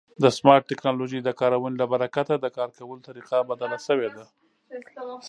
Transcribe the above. د سمارټ ټکنالوژۍ د کارونې له برکته د کار کولو طریقه بدله شوې ده.